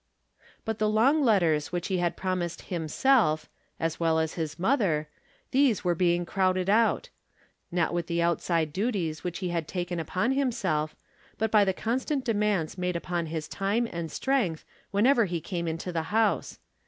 But the long letters which he had promised Jiimself, as well as his mother, these were being crowded out. Not with the outside duties which he had taken upon himself, but by the constant demands made upon his time and strength when ever he came into the house.